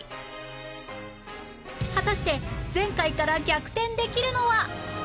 果たして前回から逆転できるのは